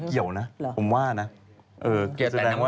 เกี่ยวแต่น้ำหนักหรือเปล่า